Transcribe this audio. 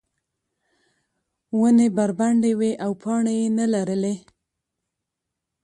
ونې بربنډې وې او پاڼې یې نه لرلې.